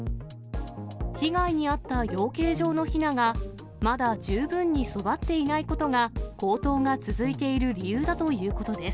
被害に遭った養鶏場のひなが、まだ十分に育っていないことが、高騰が続いている理由だということです。